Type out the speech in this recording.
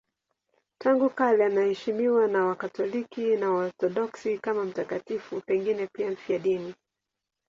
Tangu kale anaheshimiwa na Wakatoliki na Waorthodoksi kama mtakatifu, pengine pia mfiadini.